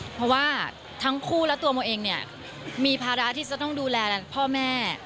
เพราะว่าทั้งคู่และตัวโมเองเนี่ยมีภาระที่จะต้องดูแลพ่อแม่